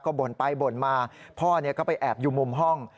ก็บ่นไปบ่นมาพ่อก็ไปแอบอยู่มุมห้อง